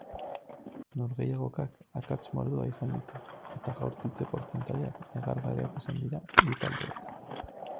Norgehiagokak akats mordoa izan ditu eta jaurtitze portzentaiak negargarriak izan dira bi taldeetan.